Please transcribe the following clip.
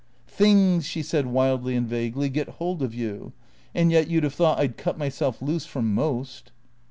" Things," she said wildly and vaguely, " get hold of you. And yet, you 'd have thought I 'd cut myself loose from most."